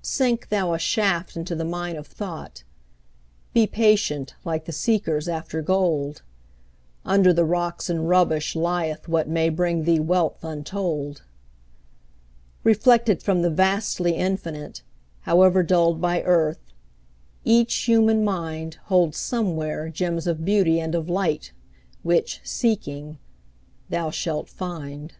Sink thou a shaft into the mine of thought; Be patient, like the seekers after gold; Under the rocks and rubbish lieth what May bring thee wealth untold. Reflected from the vastly Infinite, However dulled by earth, each human mind Holds somewhere gems of beauty and of light Which, seeking, thou shalt find.